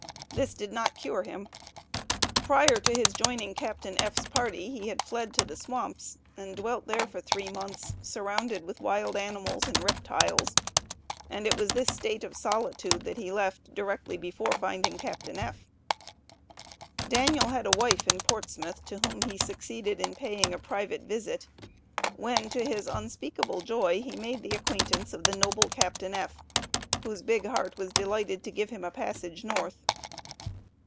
This did not cure him. Prior to his joining Captain F.'s party, he had fled to the swamps, and dwelt there for three months, surrounded with wild animals and reptiles, and it was this state of solitude that he left directly before finding Captain F. Daniel had a wife in Portsmouth, to whom he succeeded in paying a private visit, when, to his unspeakable joy, he made the acquaintance of the noble Captain F., whose big heart was delighted to give him a passage North.